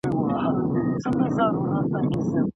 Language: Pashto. په کورني ژوند کي د ناخوالو مخنيوی پکار دی.